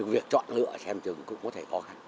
việc chọn lựa xem thường cũng có thể khó khăn